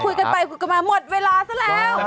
คุยกันไปคุยกันมาหมดเวลาซะแล้ว